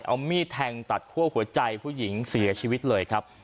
เอามีดแทงตัดคั่วหัวใจผู้หญิงเสียชีวิตเลยครับ